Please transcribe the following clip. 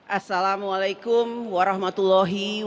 assalamualaikum warahmatullahi wabarakatuh